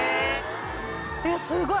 すごい！